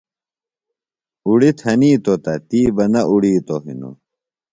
اُڑیۡ تھنیتوۡ تہ، تی بہ نہ اُڑیتوۡ ہِنوۡ